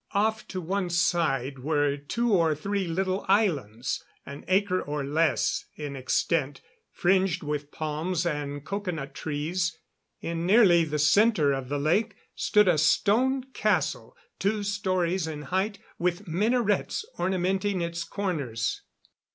Off to one side were two or three little islands, an acre or less in extent, fringed with palms and coconut trees. In nearly the center of the lake stood a stone castle, two stories in height, with minarets ornamenting its corners.